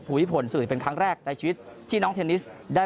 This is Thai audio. ภูมิพลสื่อเป็นครั้งแรกในชีวิตที่น้องเทนนิสได้